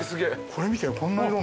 これ見てよこんな色の。